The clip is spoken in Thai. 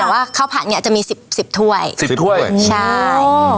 แต่ว่าข้าวผัดเนี้ยจะมีสิบสิบถ้วยสิบถ้วยใช่